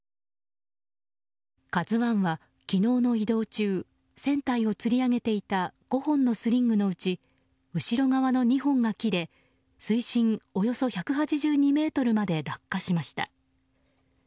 「ＫＡＺＵ１」は昨日の移動中船体をつり上げていた５本のスリングのうち後ろ側の２本が切れ水深およそ１８２ｍまで落下しました。